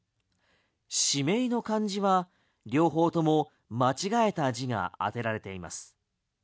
指名の漢字は両方とも間違えた時が当てられています。